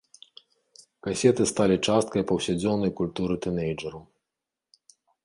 Касеты сталі часткай паўсядзённая культуры тынэйджэраў.